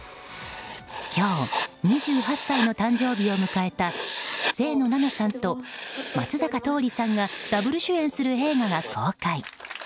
今日、２８歳の誕生日を迎えた清野菜名さんと松坂桃李さんがダブル主演する映画が公開。